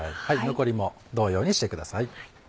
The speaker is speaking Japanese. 残りも同様にしてください。